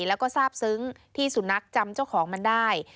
แล้วก็ทราบซึ้งที่สุนัขจำเจ้าของมันได้